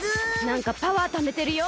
なんかパワーためてるよ！